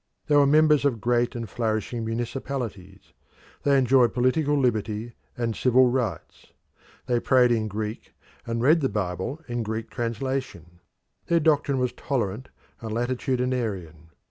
They were members of great and flourishing municipalities; they enjoyed political liberty and civil rights. They prayed in Greek and read the Bible in a Greek translation. Their doctrine was tolerant and latitudinarian.